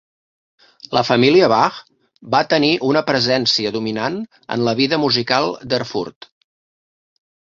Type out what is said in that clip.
La família Bach va tenir una presència dominant en la vida musical d'Erfurt.